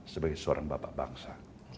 sebagai seorang bapak bangsa